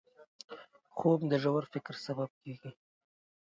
خوب د ژور فکر سبب کېږي